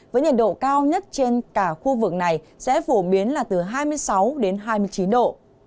với nhiệt độ cao nhất trên cả khu vực này sẽ phổ biến là từ hai mươi sáu đến hai mươi chín độ